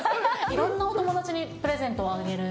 いろんなお友達にプレゼントをあげる？